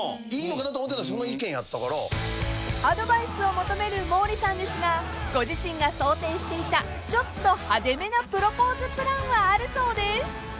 ［アドバイスを求める毛利さんですがご自身が想定していたちょっと派手めなプロポーズプランはあるそうです］